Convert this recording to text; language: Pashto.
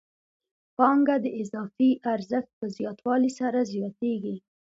پانګه د اضافي ارزښت په زیاتوالي سره زیاتېږي